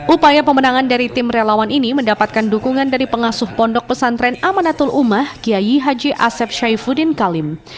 upaya pemenangan dari tim relawan ini mendapatkan dukungan dari pengasuh pondok pesantren amanatul umah kiai haji asep syaifuddin kalim